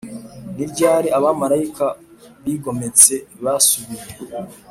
Ni ryari abamarayika bigometse basubiye